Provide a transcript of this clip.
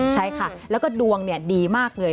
ใช่ค่ะแล้วก็ดวงดีมากเลย